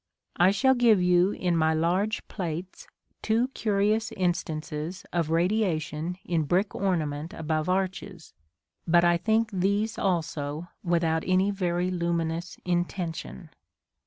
I shall give you, in my large plates, two curious instances of radiation in brick ornament above arches, but I think these also without any very luminous intention.